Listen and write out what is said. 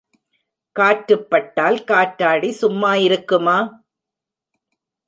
காற்றுப்பட்டால் காற்றாடி சும்மா இருக்குமா?